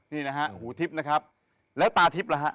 นี่นะฮะหูทิพย์นะครับแล้วตาทิพย์ล่ะฮะ